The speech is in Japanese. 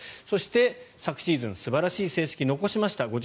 そして、昨シーズン素晴らしい成績を残しました